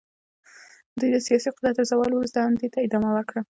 دوی د سیاسي قدرت له زوال وروسته هم دې ته ادامه ورکړه.